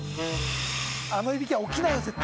あのいびきは起きないよ絶対。